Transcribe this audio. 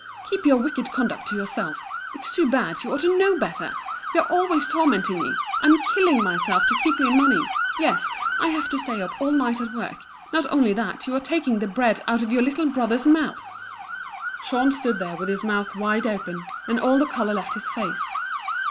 Keep your wicked conduct to yourself. It's too bad, you ought to know better! You're always tormenting me. I'm killing myself to keep you in money. Yes, I have to stay up all night at work. Not only that, you are taking the bread out of your little brother's mouth." Jean stood there with his mouth wide open, and all the colour left his face.